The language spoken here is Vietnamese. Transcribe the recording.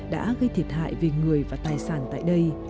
đã gây thiệt hại về người và tài sản tại đây